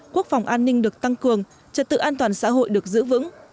quốc phòng an ninh được tăng cường trật tự an toàn xã hội được giữ vững